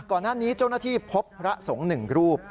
ก่อนหน้านี้เจ้าหน้าที่พบพระสงฆ์หนึ่งรูป